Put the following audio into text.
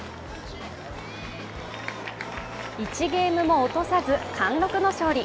１ゲームも落とさず貫禄の勝利。